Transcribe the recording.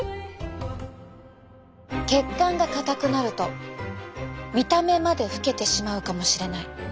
血管が硬くなると見た目まで老けてしまうかもしれない。